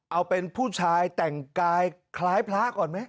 เอาเป็นผู้ชายแต่งกายคล้ายพระก่อนไหม